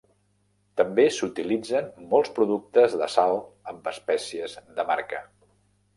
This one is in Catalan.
També s'utilitzen molts productes de sal amb espècies de marca.